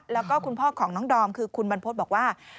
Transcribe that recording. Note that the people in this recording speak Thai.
แล้วก็คุณพ่อของน้องดอมคือคุณบรรพฤษบอกว่า